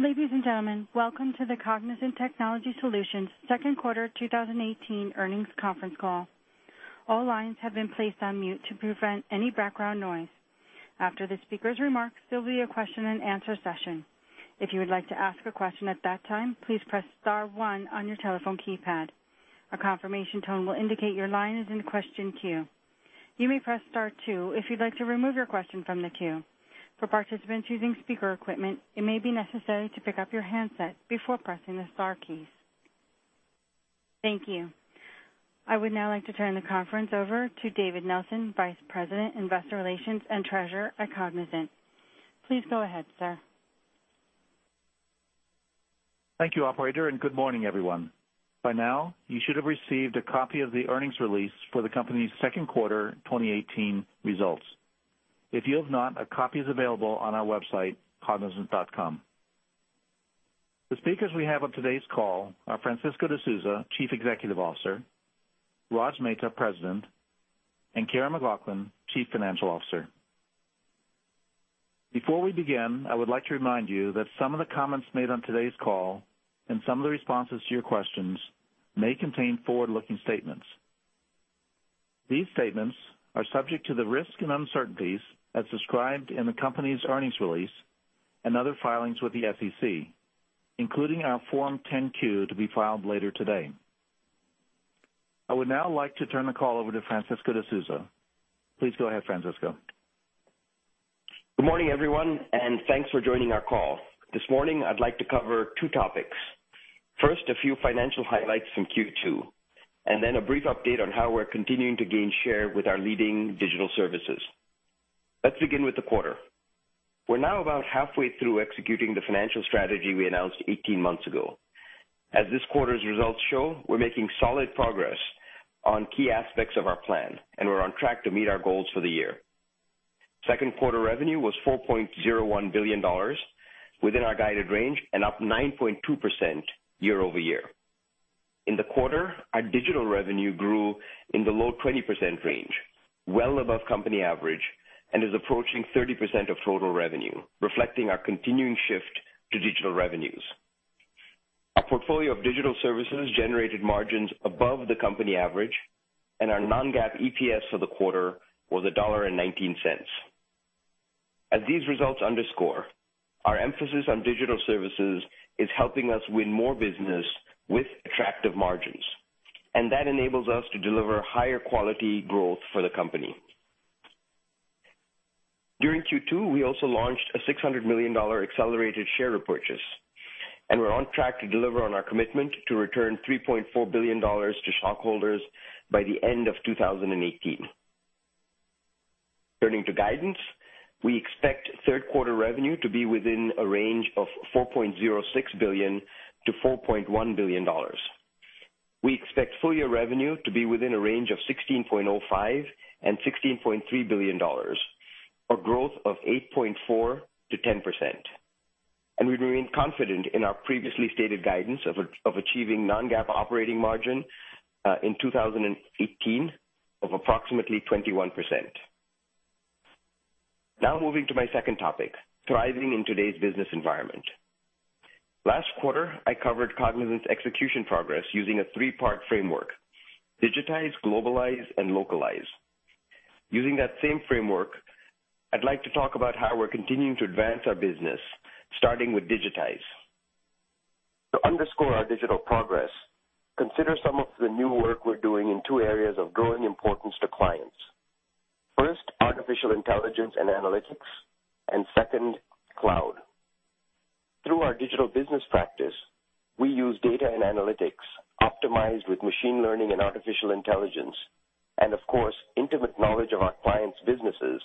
Ladies and gentlemen, welcome to the Cognizant Technology Solutions second quarter 2018 earnings conference call. All lines have been placed on mute to prevent any background noise. After the speaker's remarks, there'll be a question and answer session. If you would like to ask a question at that time, please press star one on your telephone keypad. A confirmation tone will indicate your line is in question queue. You may press star two if you'd like to remove your question from the queue. For participants using speaker equipment, it may be necessary to pick up your handset before pressing the star keys. Thank you. I would now like to turn the conference over to David Nelson, Vice President, Investor Relations, and Treasurer at Cognizant. Please go ahead, sir. Thank you, operator, and good morning, everyone. By now, you should have received a copy of the earnings release for the company's second quarter 2018 results. If you have not, a copy is available on our website, cognizant.com. The speakers we have on today's call are Francisco D'Souza, Chief Executive Officer, Rajeev Mehta, President, and Karen McLoughlin, Chief Financial Officer. Before we begin, I would like to remind you that some of the comments made on today's call and some of the responses to your questions may contain forward-looking statements. These statements are subject to the risks and uncertainties as described in the company's earnings release and other filings with the SEC, including our Form 10-Q to be filed later today. I would now like to turn the call over to Francisco D'Souza. Please go ahead, Francisco. Good morning, everyone, and thanks for joining our call. This morning, I'd like to cover two topics. First, a few financial highlights from Q2, and then a brief update on how we're continuing to gain share with our leading digital services. Let's begin with the quarter. We're now about halfway through executing the financial strategy we announced 18 months ago. As this quarter's results show, we're making solid progress on key aspects of our plan, and we're on track to meet our goals for the year. Second quarter revenue was $4.01 billion, within our guided range, and up 9.2% year-over-year. In the quarter, our digital revenue grew in the low 20% range, well above company average, and is approaching 30% of total revenue, reflecting our continuing shift to digital revenues. Our portfolio of digital services generated margins above the company average, and our non-GAAP EPS for the quarter was $1.19. As these results underscore, our emphasis on digital services is helping us win more business with attractive margins, and that enables us to deliver higher quality growth for the company. During Q2, we also launched a $600 million accelerated share repurchase, and we're on track to deliver on our commitment to return $3.4 billion to stockholders by the end of 2018. Turning to guidance, we expect third quarter revenue to be within a range of $4.06 billion-$4.1 billion. We expect full-year revenue to be within a range of $16.05 billion-$16.3 billion, or growth of 8.4%-10%. We remain confident in our previously stated guidance of achieving non-GAAP operating margin in 2018 of approximately 21%. Now moving to my second topic, thriving in today's business environment. Last quarter, I covered Cognizant's execution progress using a three-part framework, digitize, globalize, and localize. Using that same framework, I'd like to talk about how we're continuing to advance our business, starting with digitize. To underscore our digital progress, consider some of the new work we're doing in two areas of growing importance to clients. First, artificial intelligence and analytics, and second, cloud. Through our digital business practice, we use data and analytics optimized with machine learning and artificial intelligence, and of course, intimate knowledge of our clients' businesses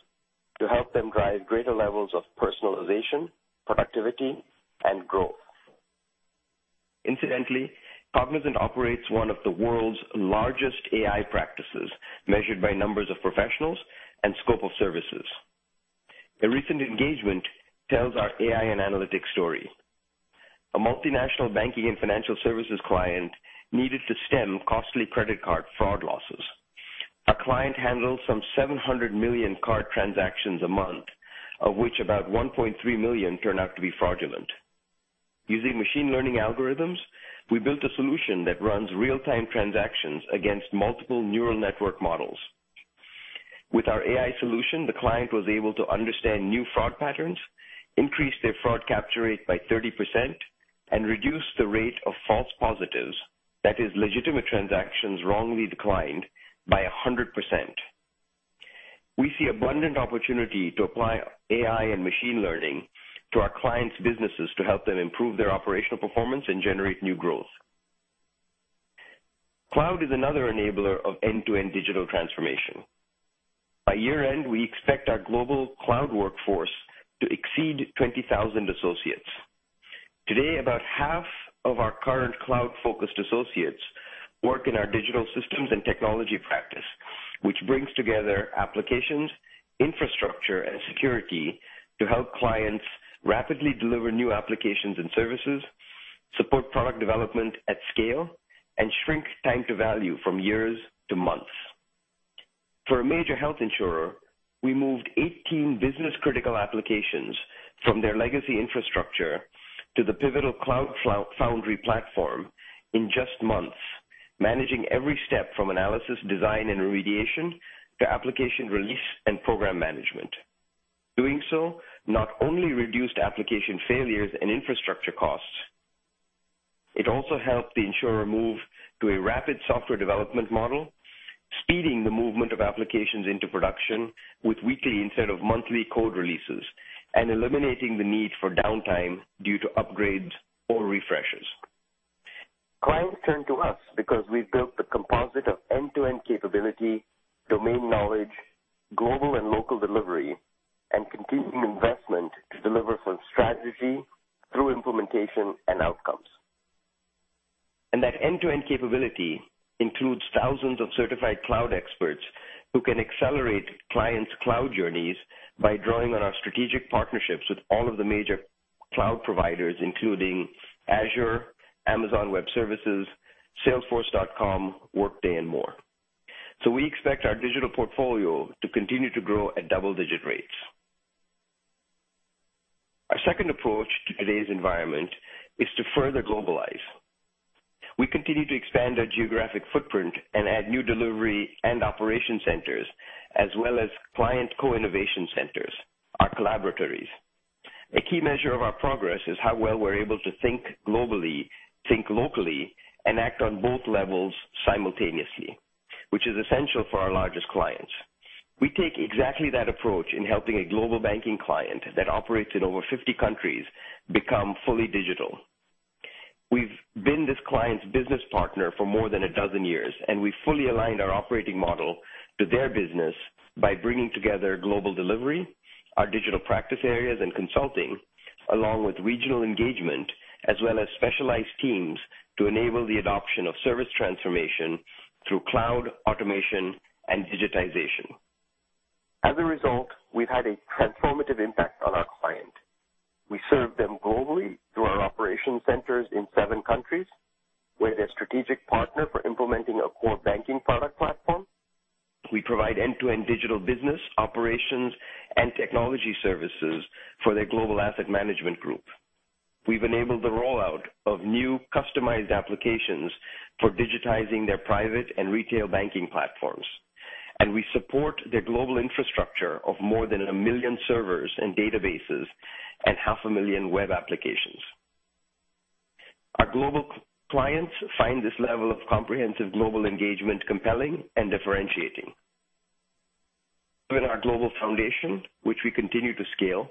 to help them drive greater levels of personalization, productivity, and growth. Incidentally, Cognizant operates one of the world's largest AI practices, measured by numbers of professionals and scope of services. A recent engagement tells our AI and analytics story. A multinational banking and financial services client needed to stem costly credit card fraud losses. Our client handles some 700 million card transactions a month, of which about 1.3 million turn out to be fraudulent. Using machine learning algorithms, we built a solution that runs real-time transactions against multiple neural network models. With our AI solution, the client was able to understand new fraud patterns, increase their fraud capture rate by 30%, and reduce the rate of false positives, that is, legitimate transactions wrongly declined, by 100%. We see abundant opportunity to apply AI and machine learning to our clients' businesses to help them improve their operational performance and generate new growth. Cloud is another enabler of end-to-end digital transformation. By year-end, we expect our global cloud workforce to exceed 20,000 associates. Today, about half of our current cloud-focused associates work in our digital systems and technology practice, which brings together applications, infrastructure, and security to help clients rapidly deliver new applications and services, support product development at scale, and shrink time to value from years to months. For a major health insurer, we moved 18 business-critical applications from their legacy infrastructure to the Pivotal Cloud Foundry platform in just months, managing every step from analysis, design, and remediation to application release and program management. Doing so not only reduced application failures and infrastructure costs, it also helped the insurer move to a rapid software development model, speeding the movement of applications into production with weekly instead of monthly code releases, and eliminating the need for downtime due to upgrades or refreshes. Clients turn to us because we've built the composite of end-to-end capability, domain knowledge, global and local delivery, and continuing investment to deliver from strategy through implementation and outcomes. That end-to-end capability includes thousands of certified cloud experts who can accelerate clients' cloud journeys by drawing on our strategic partnerships with all of the major cloud providers, including Azure, Amazon Web Services, salesforce.com, Workday, and more. We expect our digital portfolio to continue to grow at double-digit rates. Our second approach to today's environment is to further globalize. We continue to expand our geographic footprint and add new delivery and operation centers, as well as client co-innovation centers, our collaboratories. A key measure of our progress is how well we're able to think globally, think locally, and act on both levels simultaneously, which is essential for our largest clients. We take exactly that approach in helping a global banking client that operates in over 50 countries become fully digital. We've been this client's business partner for more than a dozen years, and we fully aligned our operating model to their business by bringing together global delivery, our digital practice areas and consulting, along with regional engagement, as well as specialized teams to enable the adoption of service transformation through cloud automation and digitization. As a result, we've had a transformative impact on our client. We serve them globally through our operation centers in seven countries. We're their strategic partner for implementing a core banking product platform. We provide end-to-end digital business operations and technology services for their global asset management group. We've enabled the rollout of new customized applications for digitizing their private and retail banking platforms, and we support their global infrastructure of more than 1 million servers and databases and half a million web applications. Our global clients find this level of comprehensive global engagement compelling and differentiating. Given our global foundation, which we continue to scale,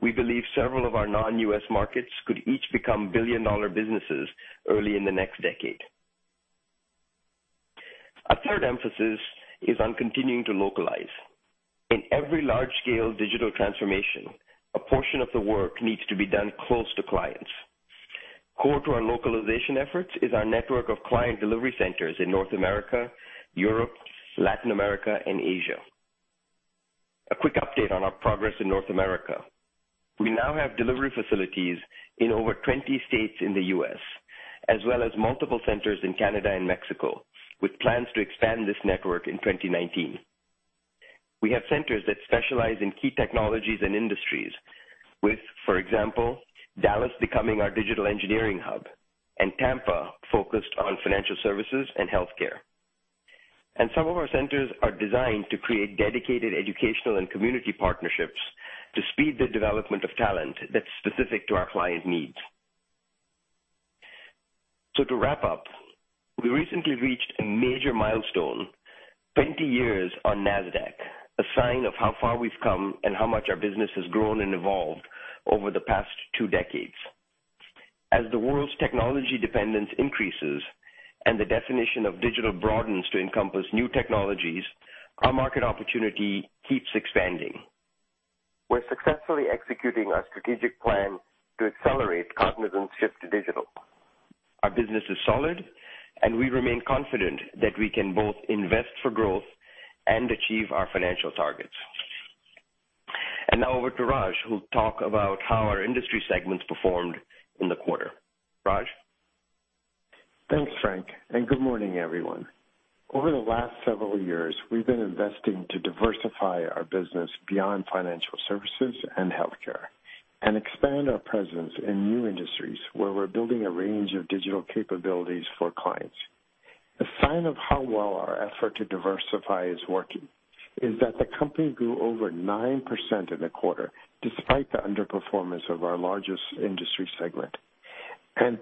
we believe several of our non-U.S. markets could each become billion-dollar businesses early in the next decade. A third emphasis is on continuing to localize. In every large-scale digital transformation, a portion of the work needs to be done close to clients. Core to our localization efforts is our network of client delivery centers in North America, Europe, Latin America, and Asia. A quick update on our progress in North America. We now have delivery facilities in over 20 states in the U.S., as well as multiple centers in Canada and Mexico, with plans to expand this network in 2019. We have centers that specialize in key technologies and industries with, for example, Dallas becoming our digital engineering hub and Tampa focused on financial services and healthcare. Some of our centers are designed to create dedicated educational and community partnerships to speed the development of talent that's specific to our clients' needs. To wrap up, we recently reached a major milestone, 20 years on Nasdaq, a sign of how far we've come and how much our business has grown and evolved over the past two decades. As the world's technology dependence increases and the definition of digital broadens to encompass new technologies, our market opportunity keeps expanding. We're successfully executing our strategic plan to accelerate Cognizant's shift to digital. Our business is solid, and we remain confident that we can both invest for growth and achieve our financial targets. Now over to Raj, who'll talk about how our industry segments performed in the quarter. Raj? Thanks, Frank, good morning, everyone. Over the last several years, we've been investing to diversify our business beyond financial services and healthcare and expand our presence in new industries where we're building a range of digital capabilities for clients. A sign of how well our effort to diversify is working is that the company grew over 9% in the quarter, despite the underperformance of our largest industry segment.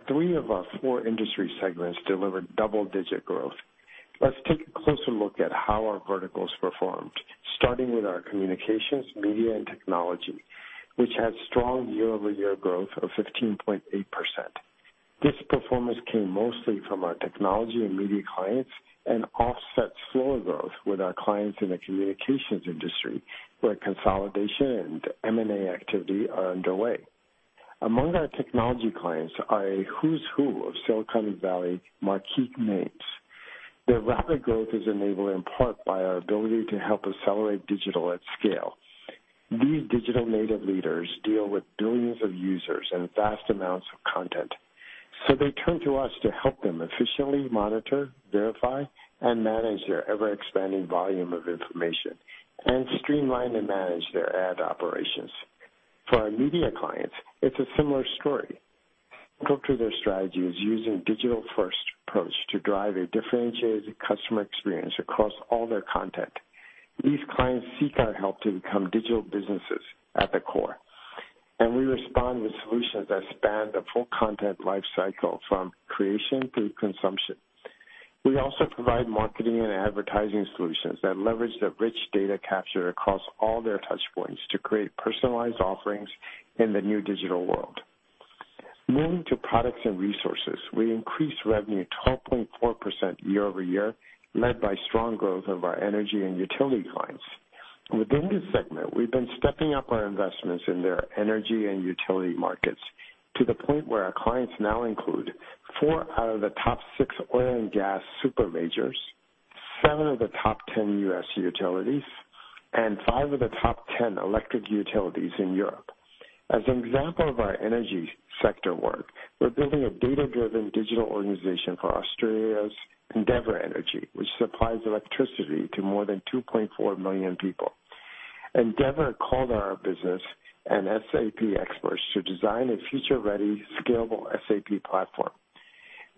Three of our four industry segments delivered double-digit growth. Let's take a closer look at how our verticals performed, starting with our Communications, Media, and Technology, which had strong year-over-year growth of 15.8%. This performance came mostly from our technology and media clients and offset slower growth with our clients in the communications industry, where consolidation and M&A activity are underway. Among our technology clients are a who's who of Silicon Valley marquee names. Their rapid growth is enabled in part by our ability to help accelerate digital at scale. These digital native leaders deal with billions of users and vast amounts of content. They turn to us to help them efficiently monitor, verify, and manage their ever-expanding volume of information and streamline and manage their ad operations. For our media clients, it's a similar story. Central to their strategy is using digital-first approach to drive a differentiated customer experience across all their content. These clients seek our help to become digital businesses at the core, we respond with solutions that span the full content life cycle, from creation through consumption. We also provide marketing and advertising solutions that leverage the rich data captured across all their touchpoints to create personalized offerings in the new digital world. Moving to Products and Resources, we increased revenue 12.4% year-over-year, led by strong growth of our energy and utility clients. Within this segment, we've been stepping up our investments in their energy and utility markets to the point where our clients now include 4 out of the top 6 oil and gas super majors, 7 of the top 10 U.S. utilities, and 5 of the top 10 electric utilities in Europe. As an example of our energy sector work, we're building a data-driven digital organization for Australia's Endeavour Energy, which supplies electricity to more than 2.4 million people. Endeavour called on our business and SAP experts to design a future-ready, scalable SAP platform.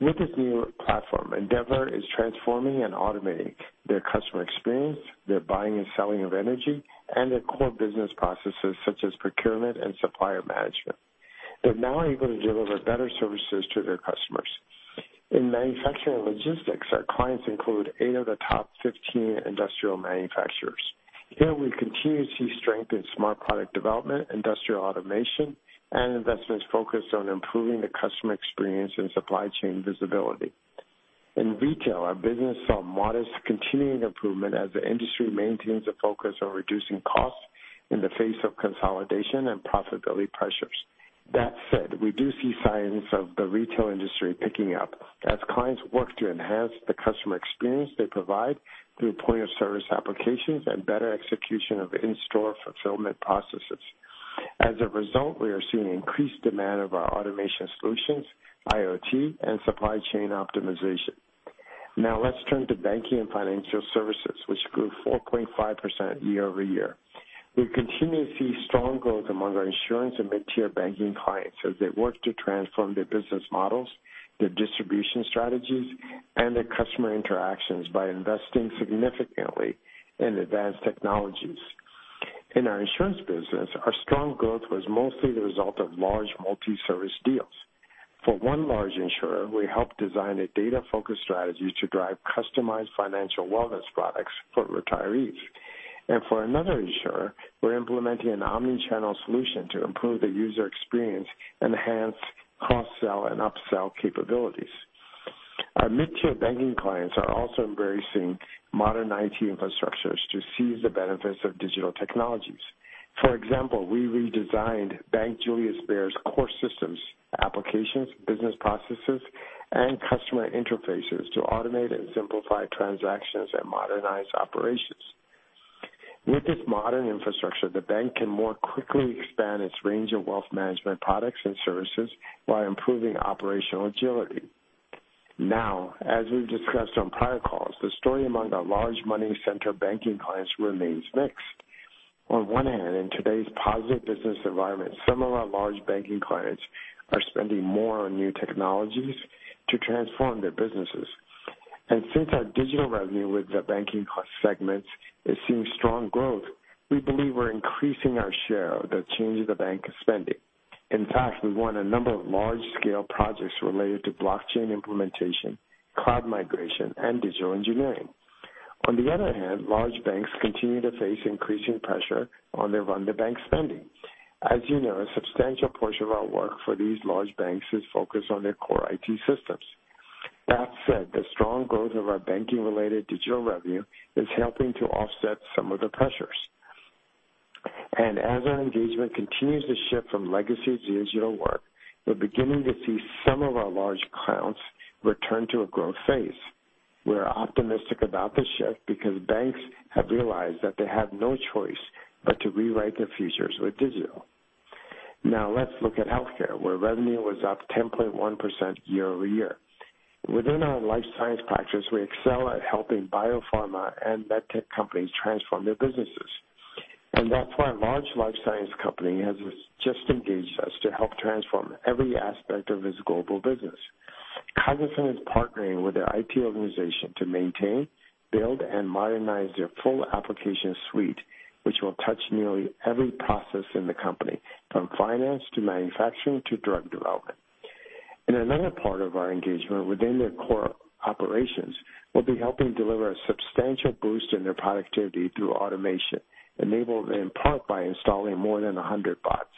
With this new platform, Endeavour is transforming and automating their customer experience, their buying and selling of energy, and their core business processes such as procurement and supplier management. They're now able to deliver better services to their customers. In Manufacturing and Logistics, our clients include 8 of the top 15 industrial manufacturers. Here we continue to see strength in smart product development, industrial automation, and investments focused on improving the customer experience and supply chain visibility. In retail, our business saw modest continuing improvement as the industry maintains a focus on reducing costs in the face of consolidation and profitability pressures. That said, we do see signs of the retail industry picking up as clients work to enhance the customer experience they provide through point-of-service applications and better execution of in-store fulfillment processes. As a result, we are seeing increased demand of our automation solutions, IoT, and supply chain optimization. Let's turn to Banking and Financial Services, which grew 4.5% year-over-year. We continue to see strong growth among our insurance and mid-tier banking clients as they work to transform their business models, their distribution strategies, and their customer interactions by investing significantly in advanced technologies. In our insurance business, our strong growth was mostly the result of large multi-service deals. For one large insurer, we helped design a data-focused strategy to drive customized financial wellness products for retirees. For another insurer, we're implementing an omni-channel solution to improve the user experience, enhance cross-sell and upsell capabilities. Our mid-tier banking clients are also embracing modern IT infrastructures to seize the benefits of digital technologies. For example, we redesigned Bank Julius Bär's core systems, applications, business processes, and customer interfaces to automate and simplify transactions and modernize operations. With this modern infrastructure, the bank can more quickly expand its range of wealth management products and services while improving operational agility. As we've discussed on prior calls, the story among our large money center banking clients remains mixed. On one hand, in today's positive business environment, some of our large banking clients are spending more on new technologies to transform their businesses. Since our digital revenue with the banking segments is seeing strong growth, we believe we're increasing our share of the change the bank is spending. In fact, we won a number of large-scale projects related to blockchain implementation, cloud migration, and digital engineering. On the other hand, large banks continue to face increasing pressure on their run-the-bank spending. As you know, a substantial portion of our work for these large banks is focused on their core IT systems. That said, the strong growth of our banking-related digital revenue is helping to offset some of the pressures. As our engagement continues to shift from legacy to digital work, we're beginning to see some of our large clients return to a growth phase. We're optimistic about the shift because banks have realized that they have no choice but to rewrite their futures with digital. Let's look at healthcare, where revenue was up 10.1% year-over-year. Within our life science practice, we excel at helping biopharma and med tech companies transform their businesses. That's why a large life science company has just engaged us to help transform every aspect of its global business. Cognizant is partnering with their IT organization to maintain, build, and modernize their full application suite, which will touch nearly every process in the company, from finance to manufacturing to drug development. In another part of our engagement, within their core operations, we'll be helping deliver a substantial boost in their productivity through automation, enabled in part by installing more than 100 bots.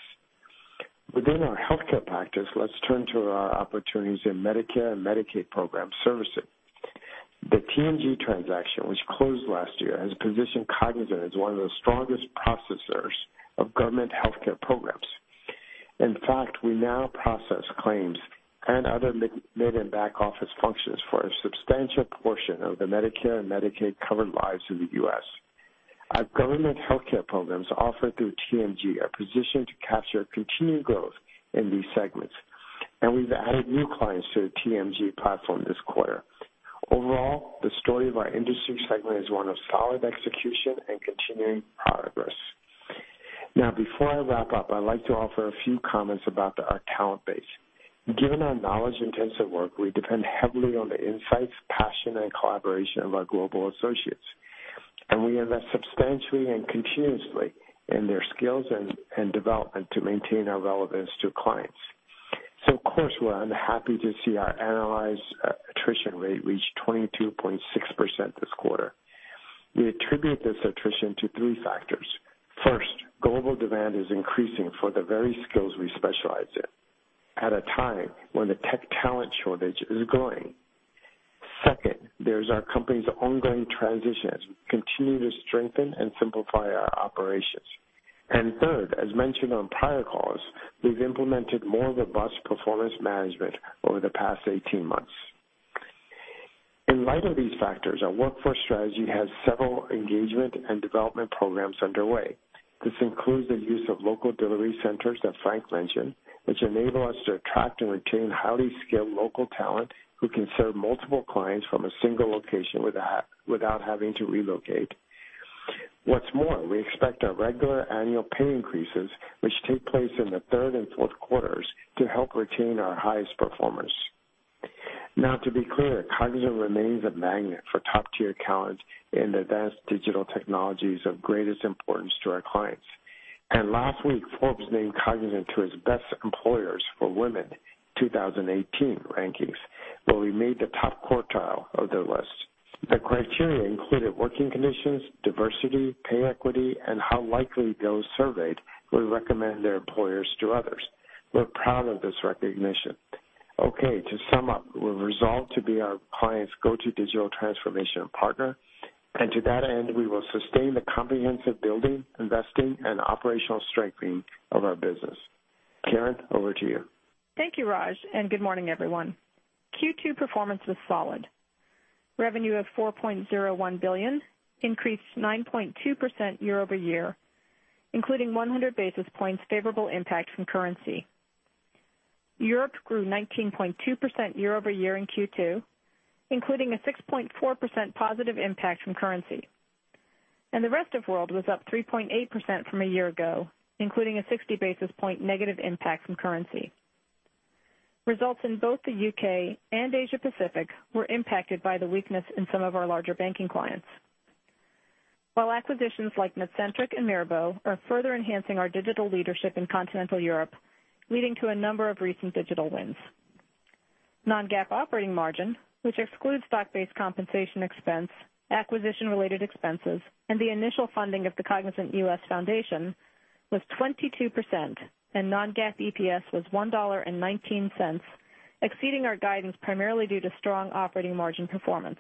Within our healthcare practice, let's turn to our opportunities in Medicare and Medicaid program servicing. The TMG transaction, which closed last year, has positioned Cognizant as one of the strongest processors of government healthcare programs. In fact, we now process claims and other mid- and back-office functions for a substantial portion of the Medicare and Medicaid-covered lives in the U.S. Our government healthcare programs offered through TMG are positioned to capture continued growth in these segments, we've added new clients to the TMG platform this quarter. Overall, the story of our industry segment is one of solid execution and continuing progress. Before I wrap up, I'd like to offer a few comments about our talent base. Given our knowledge-intensive work, we depend heavily on the insights, passion, and collaboration of our global associates, and we invest substantially and continuously in their skills and development to maintain our relevance to clients. Of course, we're unhappy to see our annualized attrition rate reach 22.6% this quarter. We attribute this attrition to three factors. First, global demand is increasing for the very skills we specialize in at a time when the tech talent shortage is growing. Second, there's our company's ongoing transition as we continue to strengthen and simplify our operations. Third, as mentioned on prior calls, we've implemented more robust performance management over the past 18 months. In light of these factors, our workforce strategy has several engagement and development programs underway. This includes the use of local delivery centers that Frank mentioned, which enable us to attract and retain highly skilled local talent who can serve multiple clients from a single location without having to relocate. What's more, we expect our regular annual pay increases, which take place in the third and fourth quarters, to help retain our highest performers. Now, to be clear, Cognizant remains a magnet for top-tier talent in the advanced digital technologies of greatest importance to our clients. Last week, Forbes named Cognizant to its Best Employers for Women 2018 rankings, where we made the top quartile of their list. The criteria included working conditions, diversity, pay equity, and how likely those surveyed would recommend their employers to others. We're proud of this recognition. Okay, to sum up, we're resolved to be our clients' go-to digital transformation partner. To that end, we will sustain the comprehensive building, investing, and operational strengthening of our business. Karen, over to you. Thank you, Raj. Good morning, everyone. Q2 performance was solid. Revenue of $4.01 billion increased 9.2% year-over-year, including 100 basis points favorable impact from currency. Europe grew 19.2% year-over-year in Q2, including a 6.4% positive impact from currency. The rest of world was up 3.8% from a year ago, including a 60 basis point negative impact from currency. Results in both the U.K. and Asia Pacific were impacted by the weakness in some of our larger banking clients. While acquisitions like Netcentric and Mirabeau are further enhancing our digital leadership in continental Europe, leading to a number of recent digital wins. Non-GAAP operating margin, which excludes stock-based compensation expense, acquisition-related expenses, and the initial funding of the Cognizant U.S. Foundation, was 22%, and non-GAAP EPS was $1.19, exceeding our guidance primarily due to strong operating margin performance.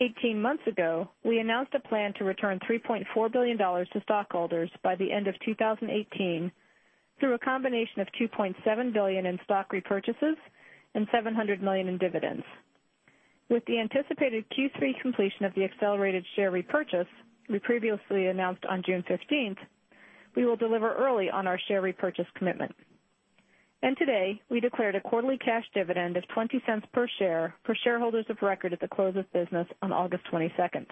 18 months ago, we announced a plan to return $3.4 billion to stockholders by the end of 2018 through a combination of $2.7 billion in stock repurchases and $700 million in dividends. With the anticipated Q3 completion of the accelerated share repurchase we previously announced on June 15th, we will deliver early on our share repurchase commitment. Today, we declared a quarterly cash dividend of $0.20 per share for shareholders of record at the close of business on August 22nd.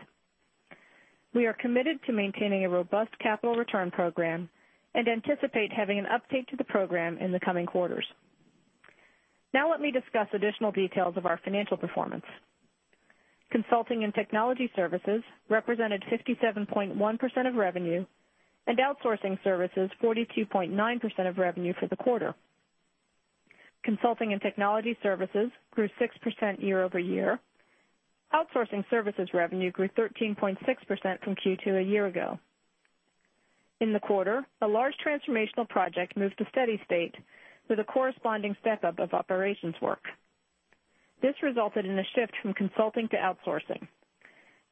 We are committed to maintaining a robust capital return program and anticipate having an update to the program in the coming quarters. Let me discuss additional details of our financial performance. Consulting and technology services represented 67.1% of revenue and outsourcing services 42.9% of revenue for the quarter. Consulting and technology services grew 6% year-over-year. Outsourcing services revenue grew 13.6% from Q2 a year ago. In the quarter, a large transformational project moved to steady state with a corresponding step-up of operations work. This resulted in a shift from consulting to outsourcing.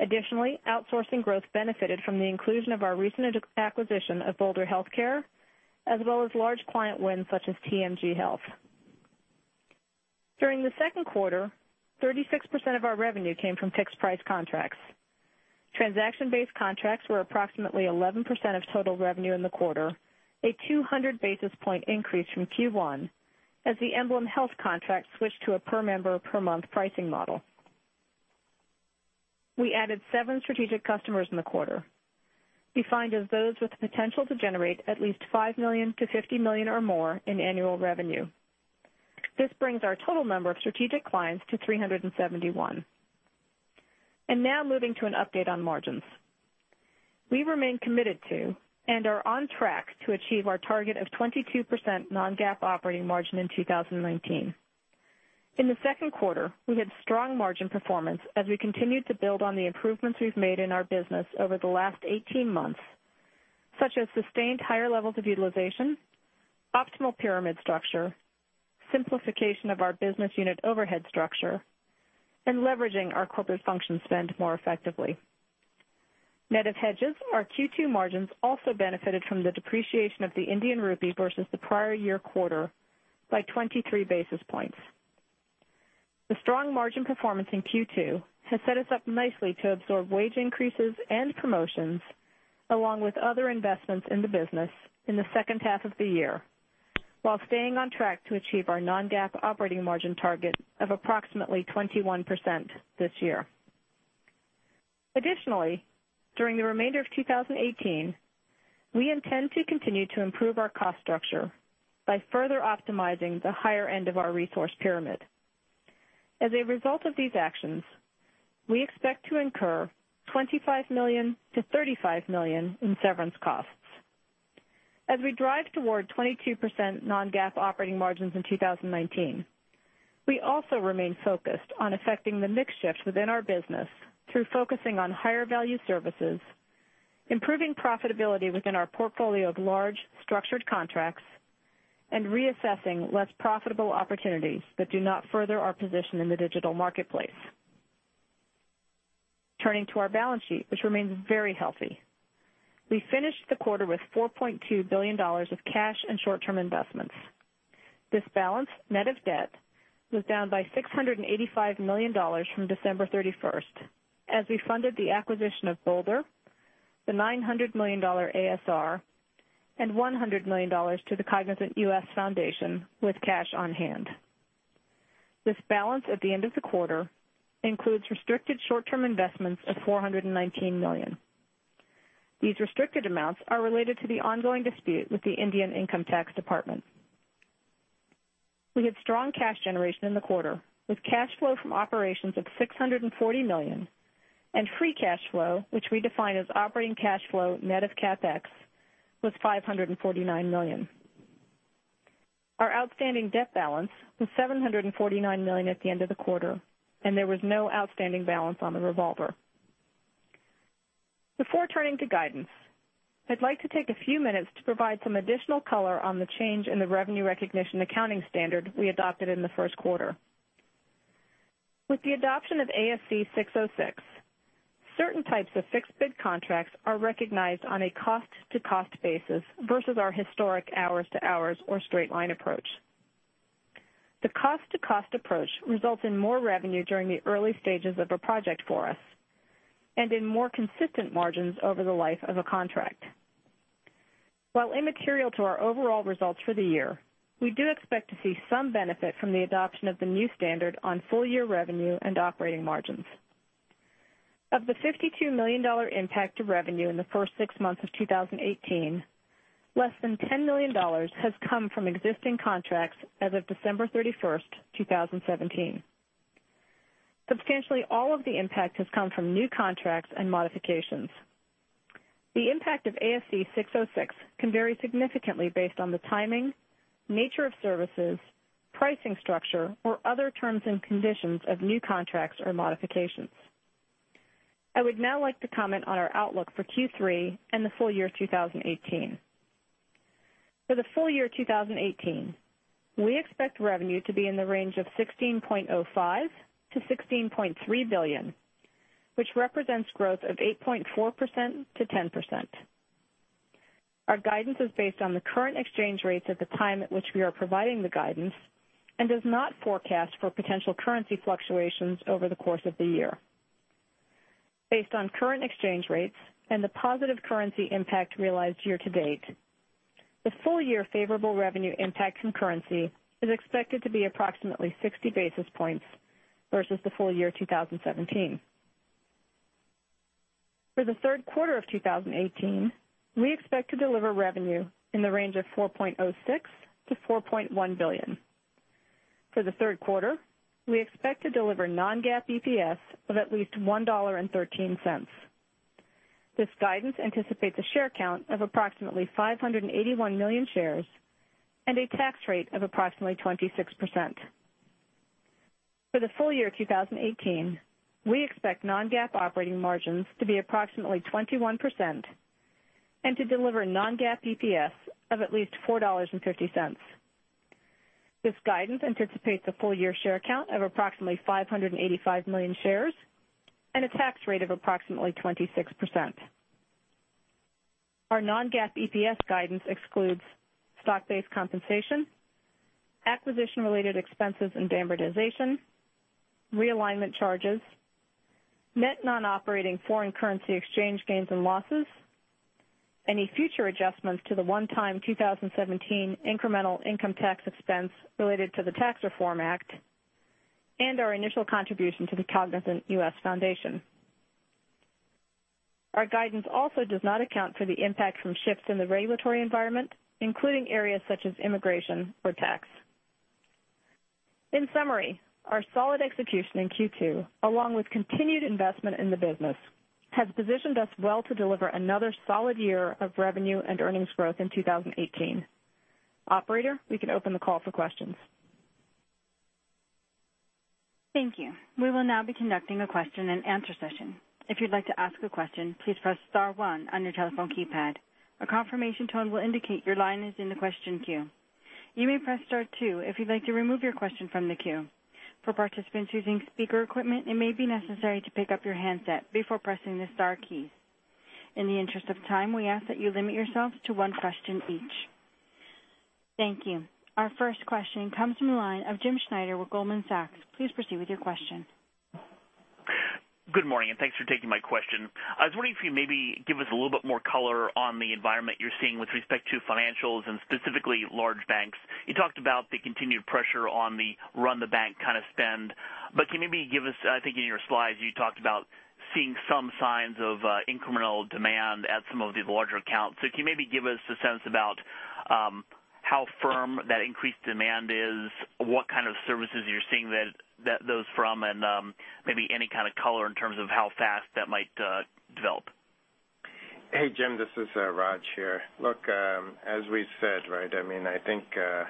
Additionally, outsourcing growth benefited from the inclusion of our recent acquisition of Bolder Healthcare, as well as large client wins such as TMG Health. During the second quarter, 36% of our revenue came from fixed-price contracts. Transaction-based contracts were approximately 11% of total revenue in the quarter, a 200-basis point increase from Q1 as the EmblemHealth contract switched to a per member per month pricing model. We added seven strategic customers in the quarter, defined as those with the potential to generate at least $5 million-$50 million or more in annual revenue. This brings our total number of strategic clients to 371. Now moving to an update on margins. We remain committed to and are on track to achieve our target of 22% non-GAAP operating margin in 2019. In the second quarter, we had strong margin performance as we continued to build on the improvements we've made in our business over the last 18 months, such as sustained higher levels of utilization, optimal pyramid structure, simplification of our business unit overhead structure, and leveraging our corporate function spend more effectively. Net of hedges, our Q2 margins also benefited from the depreciation of the Indian rupee versus the prior year quarter by 23 basis points. The strong margin performance in Q2 has set us up nicely to absorb wage increases and promotions along with other investments in the business in the second half of the year, while staying on track to achieve our non-GAAP operating margin target of approximately 21% this year. Additionally, during the remainder of 2018, we intend to continue to improve our cost structure by further optimizing the higher end of our resource pyramid. As a result of these actions, we expect to incur $25 million-$35 million in severance costs. As we drive toward 22% non-GAAP operating margins in 2019, we also remain focused on effecting the mix shifts within our business through focusing on higher-value services, improving profitability within our portfolio of large structured contracts, and reassessing less profitable opportunities that do not further our position in the digital marketplace. Turning to our balance sheet, which remains very healthy. We finished the quarter with $4.2 billion of cash and short-term investments. This balance, net of debt, was down by $685 million from December 31st as we funded the acquisition of Bolder, the $900 million ASR, and $100 million to the Cognizant U.S. Foundation with cash on hand. This balance at the end of the quarter includes restricted short-term investments of $419 million. These restricted amounts are related to the ongoing dispute with the Income Tax Department. We had strong cash generation in the quarter, with cash flow from operations of $640 million and free cash flow, which we define as operating cash flow net of CapEx, was $549 million. Our outstanding debt balance was $749 million at the end of the quarter, and there was no outstanding balance on the revolver. Before turning to guidance, I'd like to take a few minutes to provide some additional color on the change in the revenue recognition accounting standard we adopted in the first quarter. With the adoption of ASC 606, certain types of fixed-bid contracts are recognized on a cost-to-cost basis versus our historic hours-to-hours or straight-line approach. The cost-to-cost approach results in more revenue during the early stages of a project for us and in more consistent margins over the life of a contract. While immaterial to our overall results for the year, we do expect to see some benefit from the adoption of the new standard on full-year revenue and operating margins. Of the $52 million impact to revenue in the first six months of 2018, less than $10 million has come from existing contracts as of December 31st, 2017. Substantially all of the impact has come from new contracts and modifications. The impact of ASC 606 can vary significantly based on the timing, nature of services, pricing structure, or other terms and conditions of new contracts or modifications. I would now like to comment on our outlook for Q3 and the full year 2018. For the full year 2018, we expect revenue to be in the range of $16.05 billion-$16.3 billion, which represents growth of 8.4%-10%. Our guidance is based on the current exchange rates at the time at which we are providing the guidance and does not forecast for potential currency fluctuations over the course of the year. Based on current exchange rates and the positive currency impact realized year to date, the full year favorable revenue impact from currency is expected to be approximately 60 basis points versus the full year 2017. For the third quarter of 2018, we expect to deliver revenue in the range of $4.06 billion-$4.1 billion. For the third quarter, we expect to deliver non-GAAP EPS of at least $1.13. This guidance anticipates a share count of approximately 581 million shares and a tax rate of approximately 26%. For the full year 2018, we expect non-GAAP operating margins to be approximately 21% and to deliver non-GAAP EPS of at least $4.50. This guidance anticipates a full-year share count of approximately 585 million shares and a tax rate of approximately 26%. Our non-GAAP EPS guidance excludes stock-based compensation, acquisition-related expenses and amortization, realignment charges, net non-operating foreign currency exchange gains and losses, any future adjustments to the one-time 2017 incremental income tax expense related to the Tax Reform Act, and our initial contribution to the Cognizant U.S. Foundation. Our guidance also does not account for the impact from shifts in the regulatory environment, including areas such as immigration or tax. In summary, our solid execution in Q2, along with continued investment in the business, has positioned us well to deliver another solid year of revenue and earnings growth in 2018. Operator, we can open the call for questions. Thank you. We will now be conducting a question-and-answer session. If you'd like to ask a question, please press star one on your telephone keypad. A confirmation tone will indicate your line is in the question queue. You may press star two if you'd like to remove your question from the queue. For participants using speaker equipment, it may be necessary to pick up your handset before pressing the star key. In the interest of time, we ask that you limit yourselves to one question each. Thank you. Our first question comes from the line of James Schneider with Goldman Sachs. Please proceed with your question. Good morning, thanks for taking my question. I was wondering if you maybe give us a little bit more color on the environment you're seeing with respect to financials and specifically large banks. You talked about the continued pressure on the run the bank kind of spend. Can you maybe give us, I think in your slides, you talked about seeing some signs of incremental demand at some of the larger accounts. Can you maybe give us a sense about how firm that increased demand is, what kind of services you're seeing those from, and maybe any kind of color in terms of how fast that might develop? Hey, Jim. This is Raj here. Look, as we've said, I think the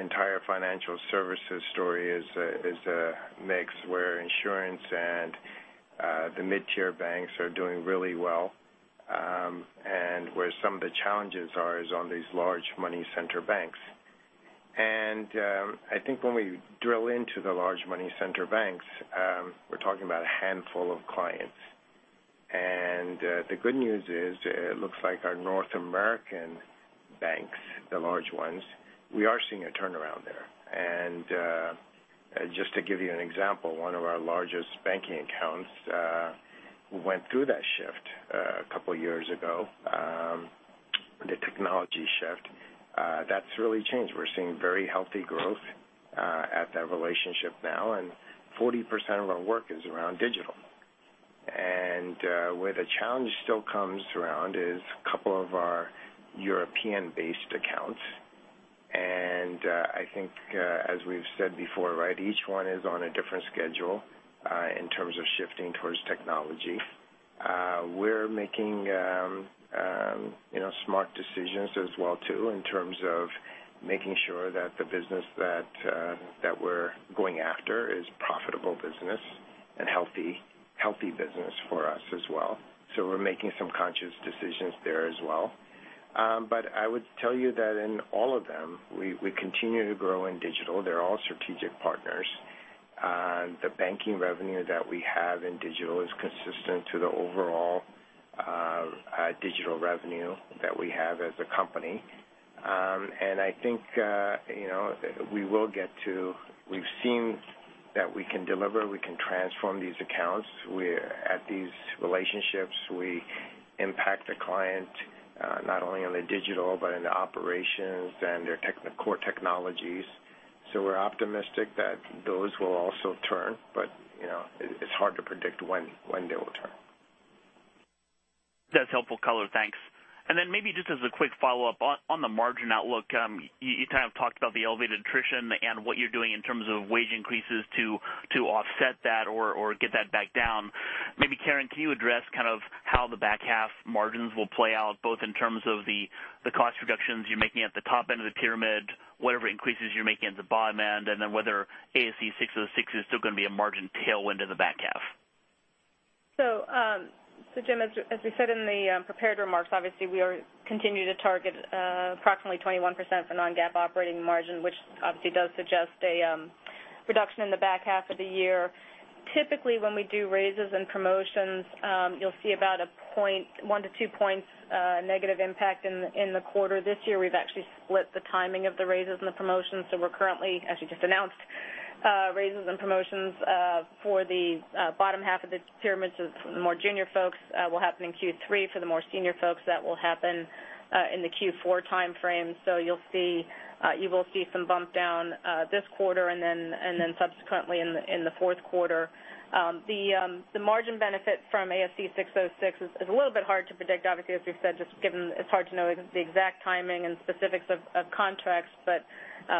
entire financial services story is a mix where insurance and the mid-tier banks are doing really well, where some of the challenges are is on these large money center banks. I think when we drill into the large money center banks, we're talking about a handful of clients. The good news is it looks like our North American banks, the large ones, we are seeing a turnaround there. Just to give you an example, one of our largest banking accounts went through that shift a couple of years ago, the technology shift. That's really changed. We're seeing very healthy growth at that relationship now, and 40% of our work is around digital. Where the challenge still comes around is a couple of our European-based accounts. I think as we've said before, each one is on a different schedule in terms of shifting towards technology. We're making smart decisions as well too, in terms of making sure that the business that we're going after is profitable business and healthy business for us as well. We're making some conscious decisions there as well. I would tell you that in all of them, we continue to grow in digital. They're all strategic partners. The banking revenue that we have in digital is consistent to the overall digital revenue that we have as a company. I think we've seen that we can deliver, we can transform these accounts. At these relationships, we impact the client, not only in the digital but in the operations and their core technologies. We're optimistic that those will also turn, but it's hard to predict when they will turn. That's helpful color. Thanks. Then maybe just as a quick follow-up on the margin outlook. You kind of talked about the elevated attrition and what you're doing in terms of wage increases to offset that or get that back down. Maybe, Karen, can you address how the back half margins will play out, both in terms of the cost reductions you're making at the top end of the pyramid, whatever increases you're making at the bottom end, and then whether ASC 606 is still going to be a margin tailwind in the back half? Jim, as we said in the prepared remarks, obviously we continue to target approximately 21% for non-GAAP operating margin, which obviously does suggest a reduction in the back half of the year. Typically, when we do raises and promotions, you'll see about one to two points negative impact in the quarter. This year, we've actually split the timing of the raises and the promotions. We're currently, as we just announced, raises and promotions for the bottom half of the pyramid, so the more junior folks will happen in Q3. For the more senior folks, that will happen in the Q4 timeframe. You will see some bump down this quarter and then subsequently in the fourth quarter. The margin benefit from ASC 606 is a little bit hard to predict. Obviously, as we've said, it's hard to know the exact timing and specifics of contracts, but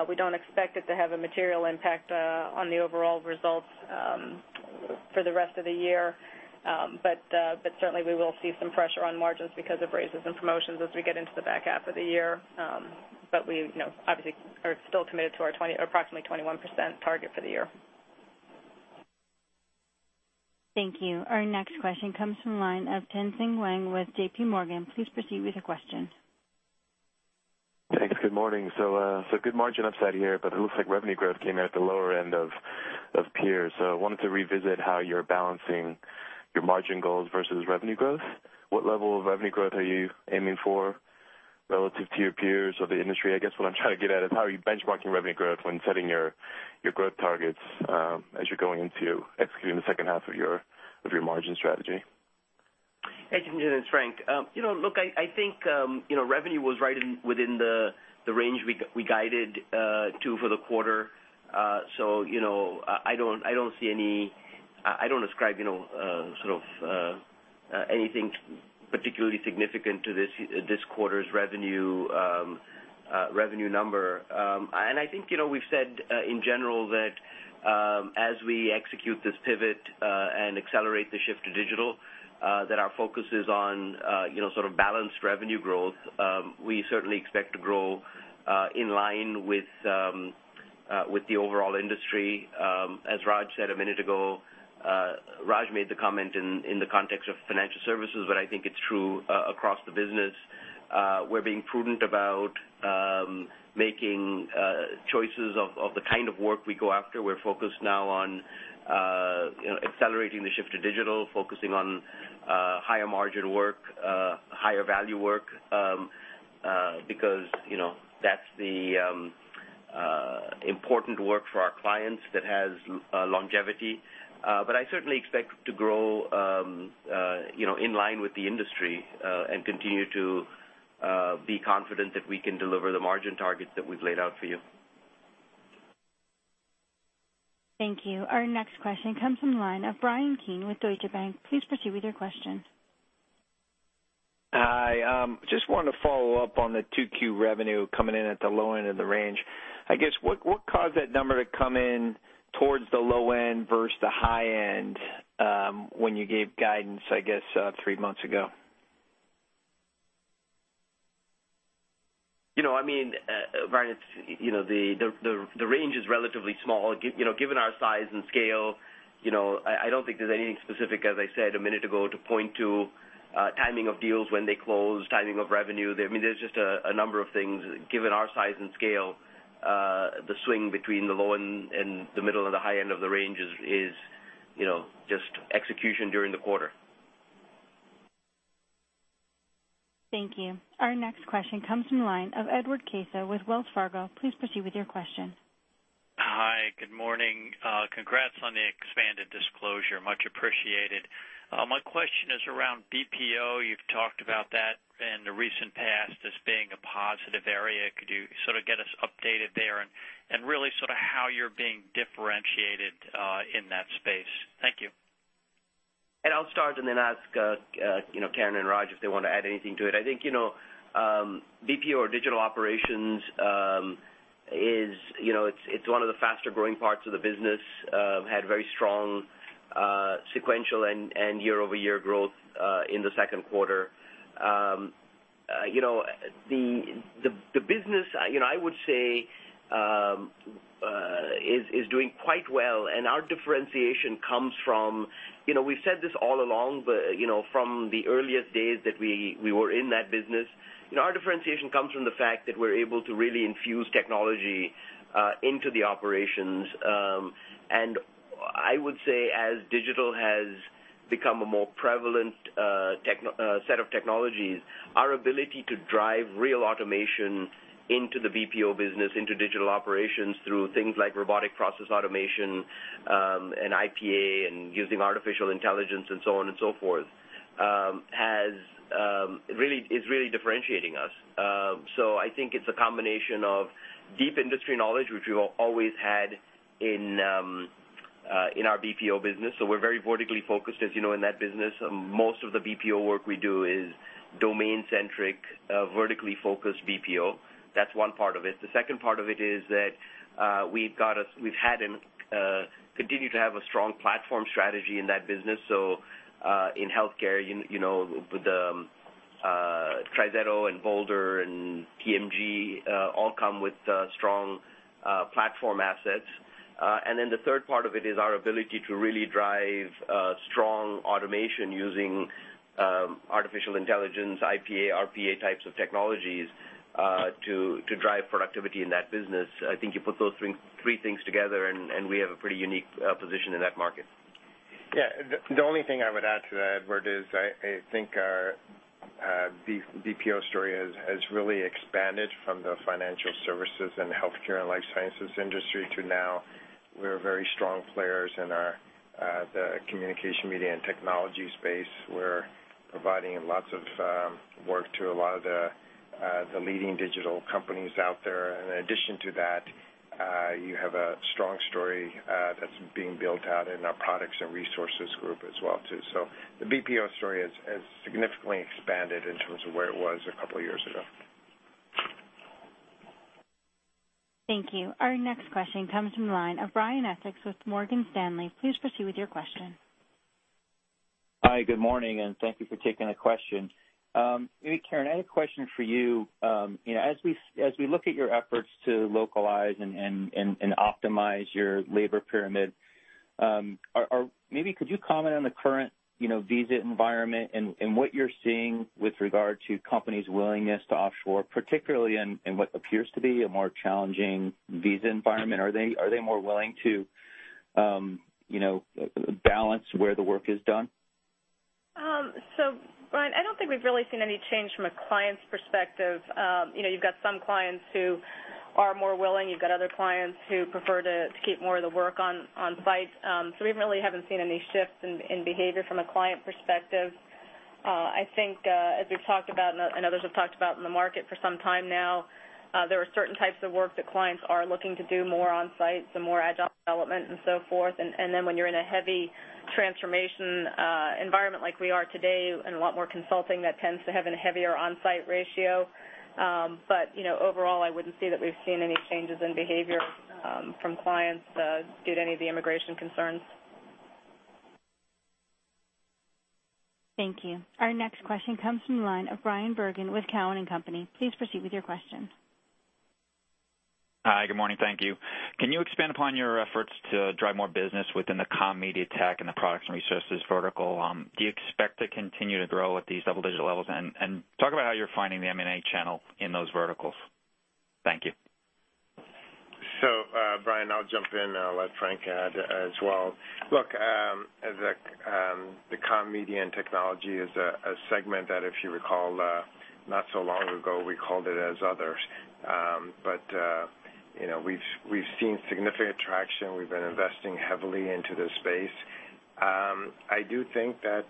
we don't expect it to have a material impact on the overall results for the rest of the year. Certainly, we will see some pressure on margins because of raises and promotions as we get into the back half of the year. We obviously are still committed to our approximately 21% target for the year. Thank you. Our next question comes from the line of Tien-Tsin Huang with JPMorgan. Please proceed with your question. Thanks. Good morning. Good margin upside here, it looks like revenue growth came out at the lower end of peers. I wanted to revisit how you're balancing your margin goals versus revenue growth. What level of revenue growth are you aiming for relative to your peers or the industry? What I'm trying to get at is how are you benchmarking revenue growth when setting your growth targets as you're going into executing the second half of your margin strategy? Hey, Tien-Tsin. It's Frank. Look, I think revenue was right within the range we guided to for the quarter. I don't ascribe anything particularly significant to this quarter's revenue number. I think we've said in general that as we execute this pivot and accelerate the shift to digital, that our focus is on balanced revenue growth. We certainly expect to grow in line with With the overall industry, as Raj said a minute ago. Raj made the comment in the context of financial services, I think it's true across the business. We're being prudent about making choices of the kind of work we go after. We're focused now on accelerating the shift to digital, focusing on higher margin work, higher value work, because that's the important work for our clients that has longevity. I certainly expect to grow in line with the industry, and continue to be confident that we can deliver the margin targets that we've laid out for you. Thank you. Our next question comes from the line of Bryan Keane with Deutsche Bank. Please proceed with your question. Hi. Just wanted to follow up on the 2Q revenue coming in at the low end of the range. I guess, what caused that number to come in towards the low end versus the high end when you gave guidance, I guess, three months ago? Bryan, the range is relatively small. Given our size and scale, I don't think there's anything specific, as I said a minute ago, to point to timing of deals when they close, timing of revenue. There's just a number of things, given our size and scale, the swing between the low and the middle and the high end of the range is just execution during the quarter. Thank you. Our next question comes from the line of Edward Caso with Wells Fargo. Please proceed with your question. Hi, good morning. Congrats on the expanded disclosure. Much appreciated. My question is around BPO. You've talked about that in the recent past as being a positive area. Could you get us updated there, and really how you're being differentiated in that space? Thank you. Ed, I'll start and then ask Karen and Raj if they want to add anything to it. I think BPO or digital operations, it's one of the faster-growing parts of the business. Had very strong sequential and year-over-year growth in the second quarter. The business, I would say, is doing quite well, and our differentiation comes from the fact that we're able to really infuse technology into the operations. I would say as digital has become a more prevalent set of technologies, our ability to drive real automation into the BPO business, into digital operations through things like robotic process automation and IPA and using artificial intelligence and so on and so forth, is really differentiating us. I think it's a combination of deep industry knowledge, which we've always had in our BPO business. We're very vertically focused as you know in that business. Most of the BPO work we do is domain-centric, vertically focused BPO. That's one part of it. The second part of it is that we've continued to have a strong platform strategy in that business. In healthcare, with TriZetto and Bolder and TMG all come with strong platform assets. Then the third part of it is our ability to really drive strong automation using artificial intelligence, IPA, RPA types of technologies to drive productivity in that business. I think you put those three things together, and we have a pretty unique position in that market. Yeah. The only thing I would add to that, Edward, is I think our BPO story has really expanded from the financial services and healthcare and life sciences industry to now we're very strong players in the communication media and technology space. We're providing lots of work to a lot of the leading digital companies out there. In addition to that, you have a strong story that's being built out in our products and resources group as well, too. The BPO story has significantly expanded in terms of where it was a couple of years ago. Thank you. Our next question comes from the line of Brian Essex with Morgan Stanley. Please proceed with your question. Hi, good morning, and thank you for taking the question. Karen, I had a question for you. As we look at your efforts to localize and optimize your labor pyramid, maybe could you comment on the current visa environment and what you're seeing with regard to companies' willingness to offshore, particularly in what appears to be a more challenging visa environment? Are they more willing to balance where the work is done? Brian, I don't think we've really seen any change from a client's perspective. You've got some clients who are more willing. You've got other clients who prefer to keep more of the work on-site. We really haven't seen any shifts in behavior from a client perspective. I think, as we've talked about, and others have talked about in the market for some time now, there are certain types of work that clients are looking to do more on-site, some more agile development and so forth. When you're in a heavy transformation environment like we are today, and a lot more consulting, that tends to have a heavier on-site ratio. Overall, I wouldn't say that we've seen any changes in behavior from clients due to any of the immigration concerns. Thank you. Our next question comes from the line of Bryan Bergin with Cowen and Company. Please proceed with your your question. Hi. Good morning. Thank you. Can you expand upon your efforts to drive more business within the comm, media, tech, and the products and resources vertical? Do you expect to continue to grow at these double-digit levels? Talk about how you're finding the M&A channel in those verticals. Thank you. Bryan, I'll jump in, I'll let Frank add as well. Look, the comm, media, and technology is a segment that, if you recall, not so long ago, we called it as others. We've seen significant traction. We've been investing heavily into this space. I do think that,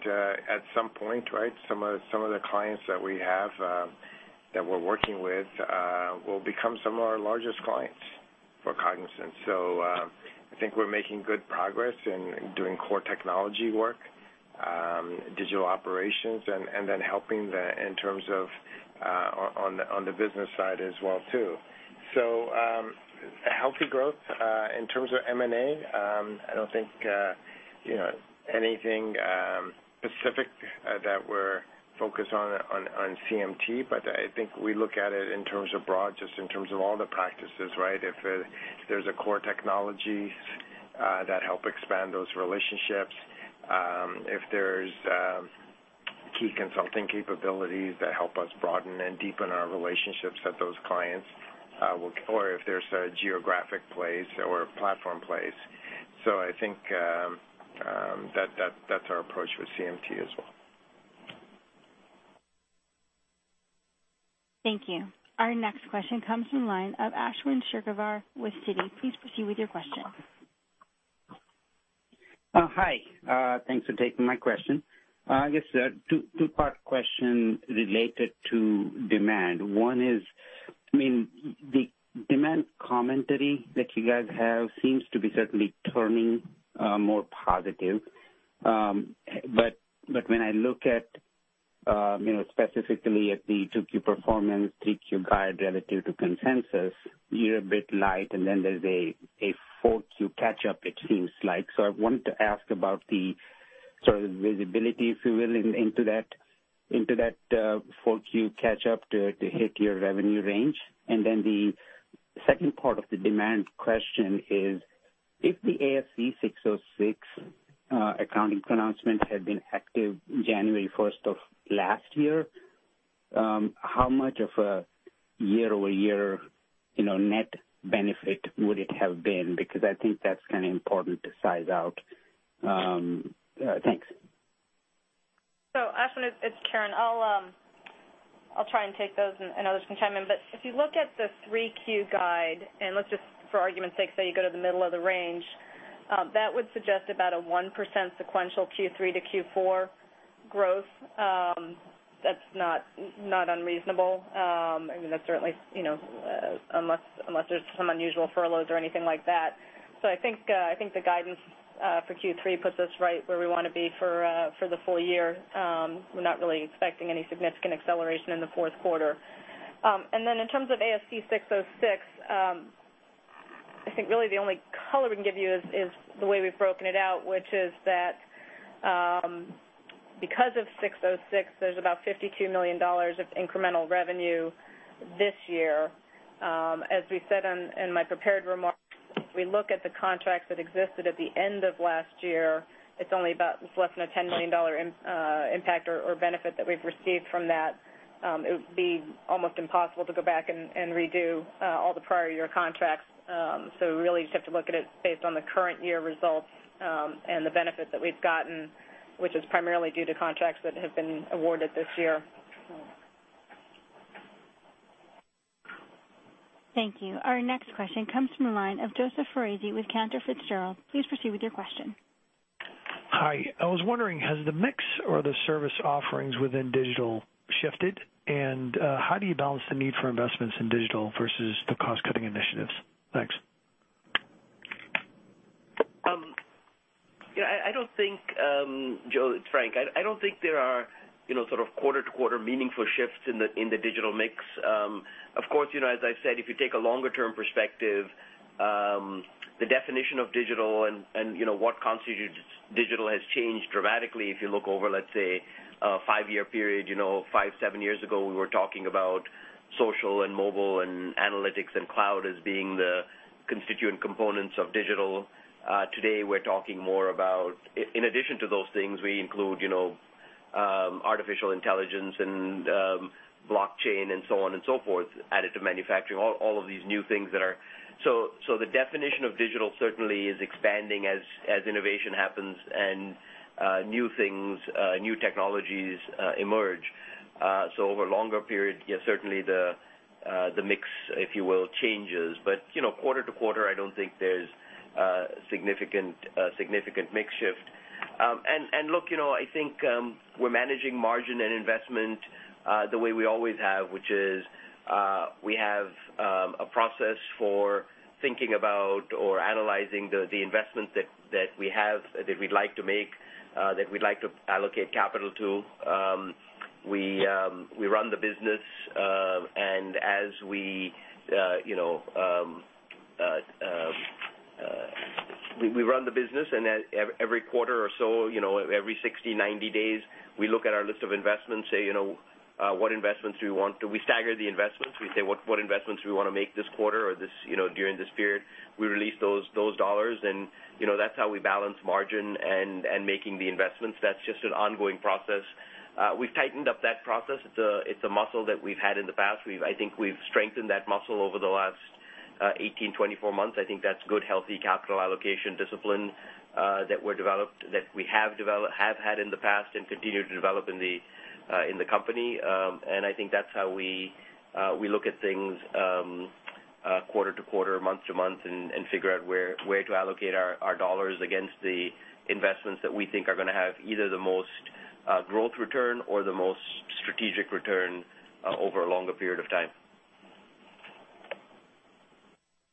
at some point, some of the clients that we have, that we're working with, will become some of our largest clients for Cognizant. I think we're making good progress in doing core technology work, digital operations, and then helping in terms of on the business side as well, too. Healthy growth. In terms of M&A, I don't think anything specific that we're focused on CMT, I think we look at it in terms of broad, just in terms of all the practices. If there's a core technologies that help expand those relationships, if there's key consulting capabilities that help us broaden and deepen our relationships at those clients, or if there's a geographic place or a platform place. I think that's our approach with CMT as well. Thank you. Our next question comes from the line of Ashwin Shirvaikar with Citi. Please proceed with your question. Hi, thanks for taking my question. I guess, a two-part question related to demand. One is, the demand commentary that you guys have seems to be certainly turning more positive. When I look at, specifically at the 2Q performance, 3Q guide relative to consensus, you're a bit light, and then there's a 4Q catch-up, it seems like. I wanted to ask about the sort of visibility, if you will, into that 4Q catch-up to hit your revenue range. The second part of the demand question is, if the ASC 606 accounting pronouncement had been active January 1st of last year, how much of a year-over-year net benefit would it have been? I think that's kind of important to size out. Thanks. Ashwin, it's Karen. I'll try and take those, and others can chime in. If you look at the 3Q guide, and let's just, for argument's sake, say you go to the middle of the range, that would suggest about a 1% sequential Q3 to Q4 growth. That's not unreasonable, unless there's some unusual furloughs or anything like that. I think the guidance for Q3 puts us right where we want to be for the full year. We're not really expecting any significant acceleration in the fourth quarter. In terms of ASC 606, I think really the only color we can give you is the way we've broken it out, which is that because of 606, there's about $52 million of incremental revenue this year. As we said in my prepared remarks, if we look at the contracts that existed at the end of last year, it's less than a $10 million impact or benefit that we've received from that. It would be almost impossible to go back and redo all the prior year contracts. We really just have to look at it based on the current year results, and the benefit that we've gotten, which is primarily due to contracts that have been awarded this year. Thank you. Our next question comes from the line of Joseph Foresi with Cantor Fitzgerald. Please proceed with your question. Hi. I was wondering, has the mix or the service offerings within digital shifted? How do you balance the need for investments in digital versus the cost-cutting initiatives? Thanks. Joe, it's Frank. I don't think there are sort of quarter-to-quarter meaningful shifts in the digital mix. Of course, as I've said, if you take a longer-term perspective, the definition of digital and what constitutes digital has changed dramatically if you look over, let's say, a five-year period. Five, seven years ago, we were talking about social and mobile and analytics and cloud as being the constituent components of digital. Today, we're talking more about, in addition to those things, we include artificial intelligence and blockchain and so on and so forth, additive manufacturing, all of these new things. The definition of digital certainly is expanding as innovation happens and new things, new technologies emerge. Over a longer period, yes, certainly the mix, if you will, changes. Quarter-to-quarter, I don't think there's a significant mix shift. Look, I think we're managing margin and investment the way we always have, which is, we have a process for thinking about or analyzing the investment that we have, that we'd like to make, that we'd like to allocate capital to. We run the business and every quarter or so, every 60, 90 days, we look at our list of investments, say, what investments do we want? Do we stagger the investments? We say, what investments do we want to make this quarter or during this period? We release those dollars, that's how we balance margin and making the investments. That's just an ongoing process. We've tightened up that process. It's a muscle that we've had in the past. I think we've strengthened that muscle over the last 18, 24 months. I think that's good, healthy capital allocation discipline that we have had in the past and continue to develop in the company. I think that's how we look at things quarter-to-quarter, month-to-month, and figure out where to allocate our dollars against the investments that we think are going to have either the most growth return or the most strategic return over a longer period of time.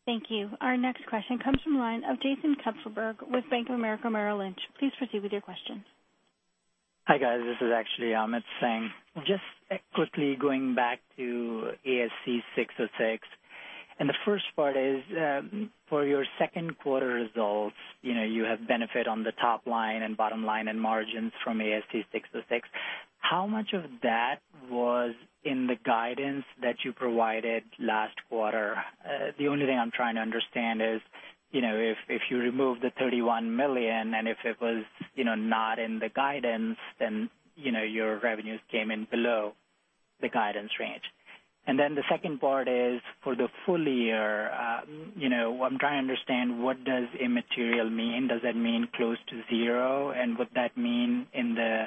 Thank you. Our next question comes from the line of Jason Kupferberg with Bank of America Merrill Lynch. Please proceed with your question. Hi, guys. This is actually Amit Singh. Just quickly going back to ASC 606, the first part is, for your second quarter results, you have benefit on the top line and bottom line and margins from ASC 606. How much of that was in the guidance that you provided last quarter? The only thing I'm trying to understand is, if you remove the $31 million, if it was not in the guidance, then your revenues came in below the guidance range. The second part is for the full year, I'm trying to understand what does immaterial mean? Does that mean close to zero? Would that mean in the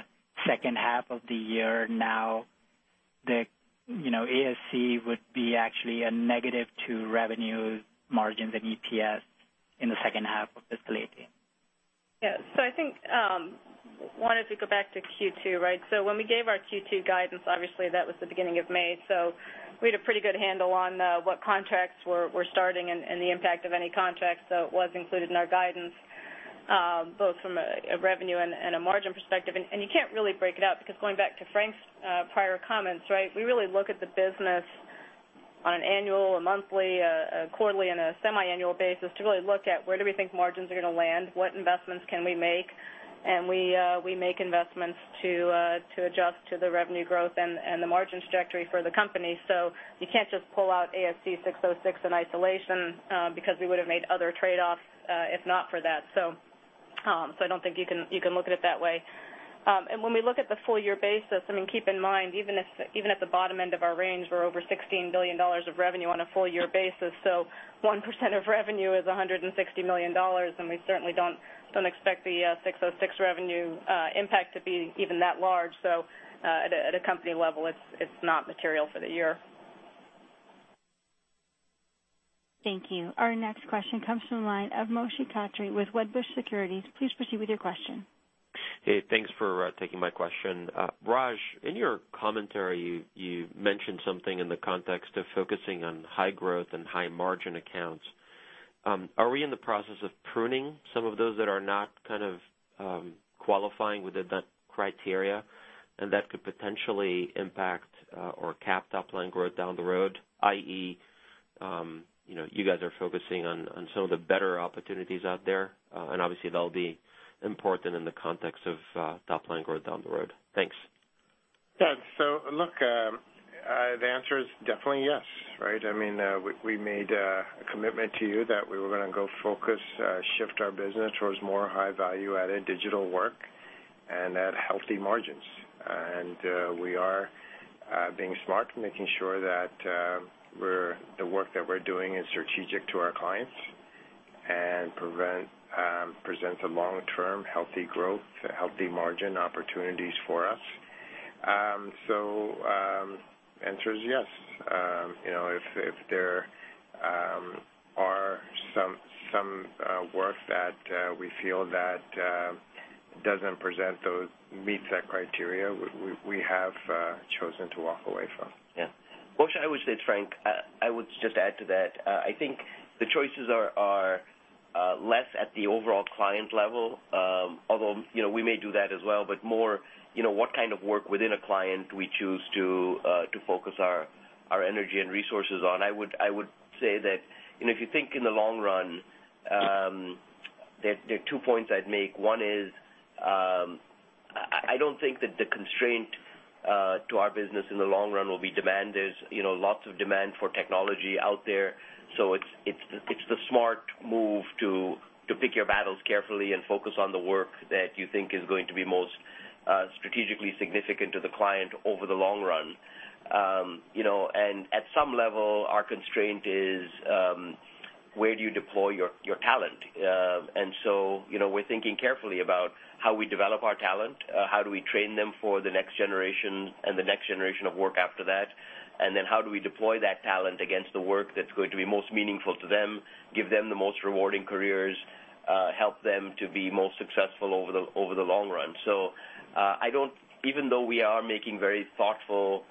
second half of the year now the ASC would be actually a negative to revenues, margins, and EPS in the second half of fiscal 2018? Yeah. I think, wanted to go back to Q2, right? When we gave our Q2 guidance, obviously, that was the beginning of May, we had a pretty good handle on what contracts were starting and the impact of any contracts. It was included in our guidance, both from a revenue and a margin perspective. You can't really break it out because going back to Frank's prior comments, we really look at the business on an annual or monthly, a quarterly, and a semi-annual basis to really look at where do we think margins are going to land, what investments can we make, and we make investments to adjust to the revenue growth and the margin trajectory for the company. You can't just pull out ASC 606 in isolation because we would have made other trade-offs if not for that. I don't think you can look at it that way. When we look at the full-year basis, keep in mind, even at the bottom end of our range, we're over $16 billion of revenue on a full-year basis. 1% of revenue is $160 million, we certainly don't expect the 606 revenue impact to be even that large. At a company level, it's not material for the year. Thank you. Our next question comes from the line of Moshe Katri with Wedbush Securities. Please proceed with your question. Hey, thanks for taking my question. Raj, in your commentary, you mentioned something in the context of focusing on high growth and high margin accounts. Are we in the process of pruning some of those that are not qualifying within that criteria and that could potentially impact or cap top line growth down the road, i.e., you guys are focusing on some of the better opportunities out there? Obviously, that'll be important in the context of top line growth down the road. Thanks. Yeah. Look, the answer is definitely yes. We made a commitment to you that we were going to go focus, shift our business towards more high value-added digital work and at healthy margins. We are being smart and making sure that the work that we're doing is strategic to our clients and presents a long-term healthy growth, healthy margin opportunities for us. Answer is yes. If there are some work that we feel that doesn't meet that criteria, we have chosen to walk away from. Yeah. Moshe, Frank, I would just add to that. I think the choices are less at the overall client level, although, we may do that as well, but more what kind of work within a client we choose to focus our energy and resources on. I would say that if you think in the long run, there are two points I'd make. One is, I don't think that the constraint to our business in the long run will be demand. There's lots of demand for technology out there, it's the smart move to pick your battles carefully and focus on the work that you think is going to be most strategically significant to the client over the long run. At some level, our constraint is, where do you deploy your talent? We're thinking carefully about how we develop our talent, how do we train them for the next generation and the next generation of work after that, then how do we deploy that talent against the work that's going to be most meaningful to them, give them the most rewarding careers, help them to be most successful over the long run. Even though we are making very thoughtful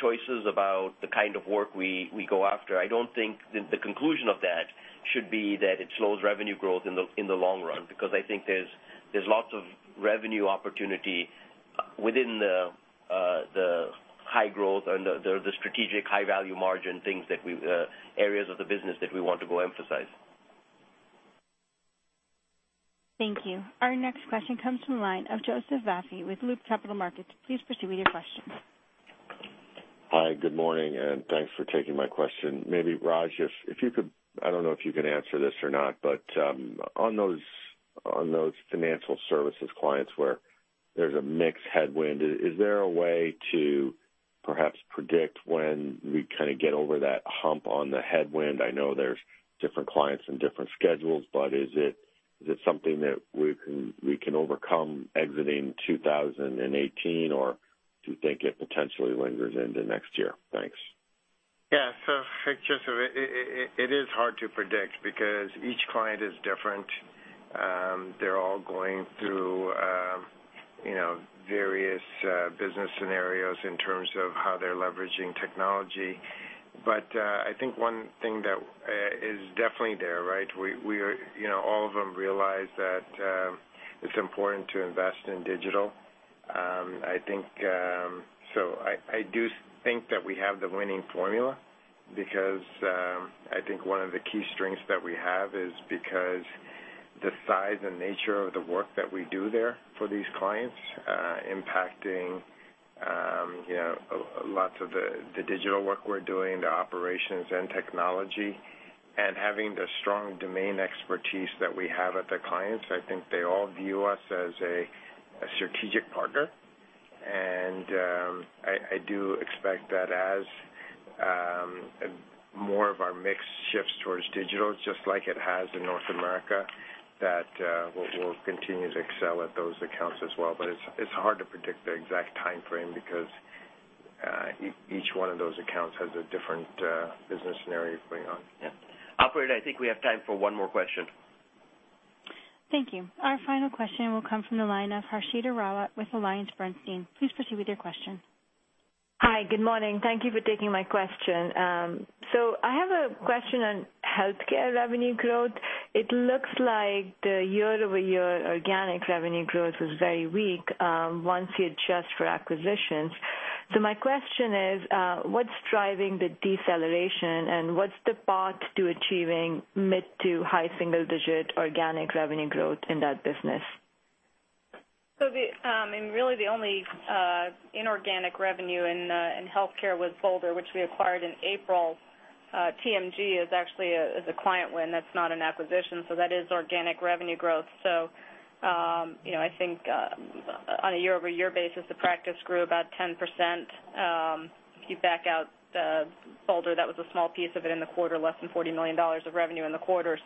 choices about the kind of work we go after, I don't think the conclusion of that should be that it slows revenue growth in the long run, because I think there's lots of revenue opportunity within. The high growth and the strategic high-value margin areas of the business that we want to go emphasize. Thank you. Our next question comes from the line of Joseph Vafi with Loop Capital Markets. Please proceed with your question. Hi, good morning, and thanks for taking my question. Maybe Raj, I don't know if you can answer this or not, but on those financial services clients where there's a mixed headwind, is there a way to perhaps predict when we kind of get over that hump on the headwind? I know there's different clients and different schedules, but is it something that we can overcome exiting 2018, or do you think it potentially lingers into next year? Thanks. Yeah. Joseph, it is hard to predict because each client is different. They're all going through various business scenarios in terms of how they're leveraging technology. I think one thing that is definitely there, right? All of them realize that it's important to invest in digital. I do think that we have the winning formula because I think one of the key strengths that we have is because the size and nature of the work that we do there for these clients impacting lots of the digital work we're doing, the operations and technology, and having the strong domain expertise that we have at the clients. I think they all view us as a strategic partner. I do expect that as more of our mix shifts towards digital, just like it has in North America, that we'll continue to excel at those accounts as well. It's hard to predict the exact timeframe because each one of those accounts has a different business scenario going on. Yeah. Operator, I think we have time for one more question. Thank you. Our final question will come from the line of Harshita Rawat with AllianceBernstein. Please proceed with your question. Hi, good morning. Thank you for taking my question. I have a question on healthcare revenue growth. It looks like the year-over-year organic revenue growth was very weak once you adjust for acquisitions. My question is, what's driving the deceleration, and what's the path to achieving mid-to-high single-digit organic revenue growth in that business? Really the only inorganic revenue in healthcare was Bolder, which we acquired in April. TMG is actually a client win. That's not an acquisition. That is organic revenue growth. I think on a year-over-year basis, the practice grew about 10%. If you back out Bolder, that was a small piece of it in the quarter, less than $40 million of revenue in the quarter.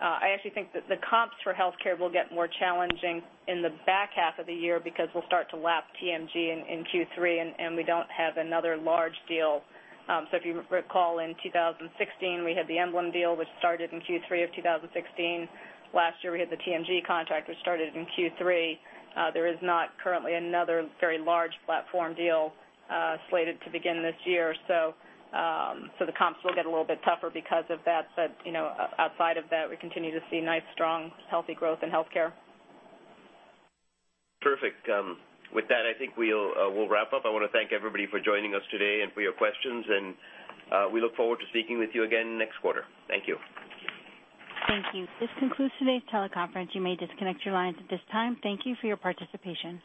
I actually think that the comps for healthcare will get more challenging in the back half of the year because we'll start to lap TMG in Q3, and we don't have another large deal. If you recall, in 2016, we had the Emblem deal, which started in Q3 of 2016. Last year, we had the TMG contract, which started in Q3. There is not currently another very large platform deal slated to begin this year. The comps will get a little bit tougher because of that. Outside of that, we continue to see nice, strong, healthy growth in healthcare. Perfect. With that, I think we'll wrap up. I want to thank everybody for joining us today and for your questions, and we look forward to speaking with you again next quarter. Thank you. Thank you. This concludes today's teleconference. You may disconnect your lines at this time. Thank you for your participation.